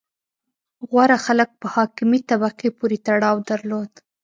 • غوره خلک په حاکمې طبقې پورې تړاو درلود.